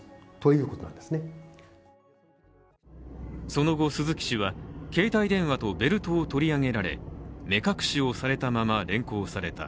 その後、鈴木氏は携帯電話とベルトを取り上げられ、目隠しをされたまま連行された。